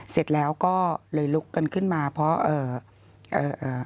เสร็จแล้วก็เลยลุกกันขึ้นมาเพราะ